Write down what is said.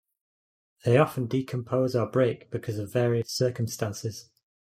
They often decompose or break because of various circumstances.